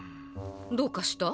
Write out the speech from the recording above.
どうかした？